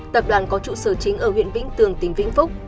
tập đoàn có trụ sở chính ở huyện vĩnh tường tỉnh vĩnh phúc